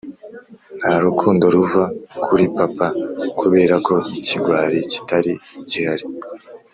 nta rukundo ruva kuri papa, 'kuberako ikigwari kitari gihari